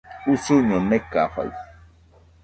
Usuño nekafaɨ